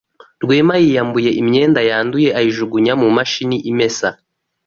Rwema yiyambuye imyenda yanduye ayijugunya mu mashini imesa.